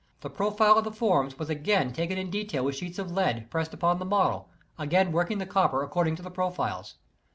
The profile of the forms was again taken in detail with sheets of lead, pressed upon the model, again working the copper according to the profiles.